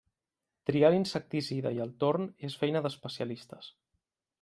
Triar l'insecticida i el torn és feina d'especialistes.